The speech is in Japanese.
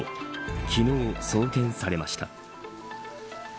昨日、送検されました。